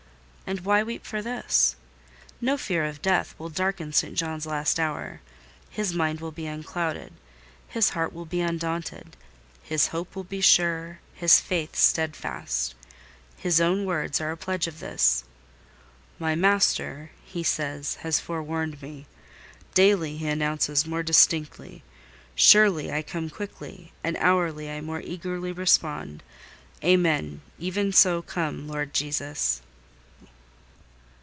And why weep for this? No fear of death will darken St. John's last hour: his mind will be unclouded, his heart will be undaunted, his hope will be sure, his faith steadfast. His own words are a pledge of this— "My Master," he says, "has forewarned me. Daily He announces more distinctly,—'Surely I come quickly!' and hourly I more eagerly respond,—'Amen; even so come, Lord Jesus!